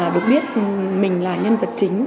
được biết mình là nhân vật chính